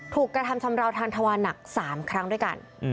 กระทำชำราวทางทวาหนัก๓ครั้งด้วยกัน